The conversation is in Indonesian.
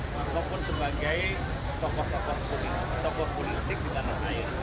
maupun sebagai tokoh tokoh politik di tanah air